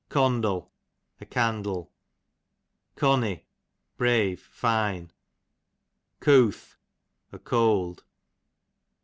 Condle, a candle. Conny, brave, fine. Cooth, a cold.